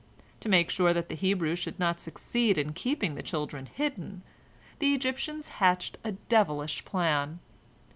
To make sure that the Hebrews should not succeed in keeping the children hidden, the Egyptians hatched a devilish plan.